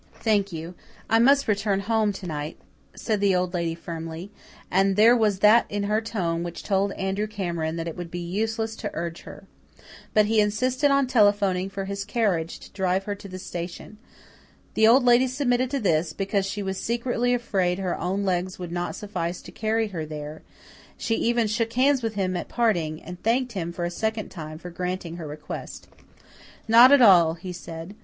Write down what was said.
"Thank you. I must return home to night," said the Old Lady firmly, and there was that in her tone which told Andrew Cameron that it would be useless to urge her. But he insisted on telephoning for his carriage to drive her to the station. The Old Lady submitted to this, because she was secretly afraid her own legs would not suffice to carry her there; she even shook hands with him at parting, and thanked him a second time for granting her request. "Not at all," he said.